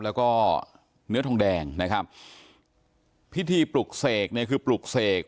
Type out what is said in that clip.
แล้วก็เนื้อทองแดงนะครับพิธีปลุกเสกเนี่ยคือปลุกเสก